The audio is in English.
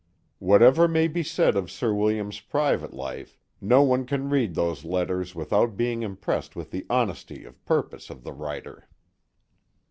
Whatever may be said of Sir William's private life, no one can read those letters without being impressed with the honesty of purpose of the writer.